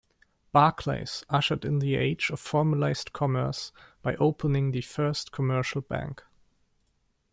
Barclays ushered in the age of formalised commerce by opening the first commercial bank.